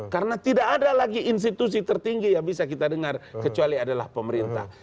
karena tidak ada lagi institusi tertinggi yang bisa kita dengar kecuali adalah pemerintah